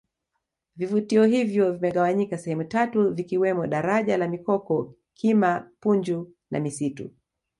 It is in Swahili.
vivutio hivyo vimegawanyika sehemu tatu vikiwemo daraja la mikoko kima punju na misitu